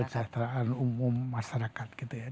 untuk kesejahteraan umum masyarakat gitu ya